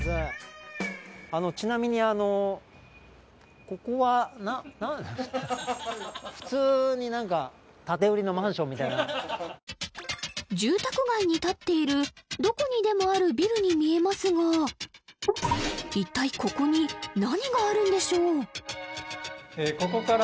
ちなみに普通に何か建て売りのマンションみたいな住宅街に立っているどこにでもあるビルに見えますが一体ここに何があるんでしょう？